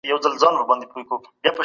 د قبیلې هویت د علم نه نه خالي کیږي.